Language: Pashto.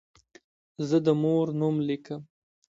زه د مور نوم لیکم.